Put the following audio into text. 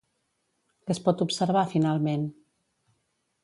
Què es pot observar finalment?